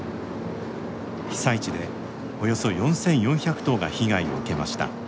被災地でおよそ４，４００棟が被害を受けました。